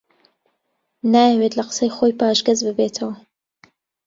نایەوێت لە قسەی خۆی پاشگەز ببێتەوە